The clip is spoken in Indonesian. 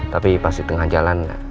tapi pas di tengah jalan